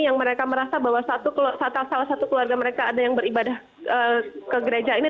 yang mereka merasa bahwa salah satu keluarga mereka ada yang beribadah ke gereja ini